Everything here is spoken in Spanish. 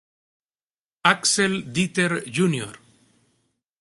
Axel Dieter Jr.